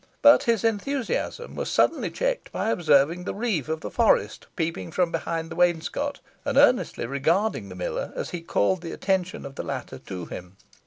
But his enthusiasm was suddenly checked by observing the reeve of the forest peeping from behind the wainscot, and earnestly regarding the miller, and he called the attention of the latter to him.